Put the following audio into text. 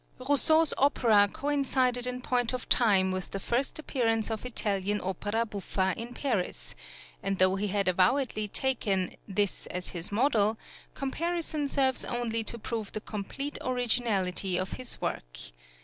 Rousseau's opera coincided in point of time with the first {THE PARODY, "BASTIEN ET BASTIBNNE."} (89) appearance of Italian opera buffa in Paris; and though he had avowedly taken, this as his model, comparison serves only to prove the complete originality of his work.